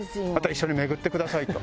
「一緒に巡ってください」と。